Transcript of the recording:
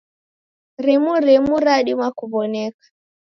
Rimu rimu radima kuw'oneka.